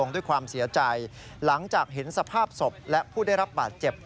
ด้วยความเสียใจหลังจากเห็นสภาพศพและผู้ได้รับบาดเจ็บ